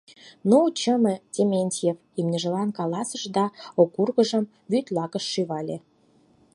— Ну, чыме, — Дементьев имньыжлан каласыш да окуркыжым вӱд лакыш шӱвале.